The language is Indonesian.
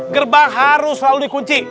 gerbang harus selalu dikunci